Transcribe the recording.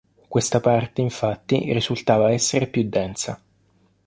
Questa parte infatti risultava essere più densa.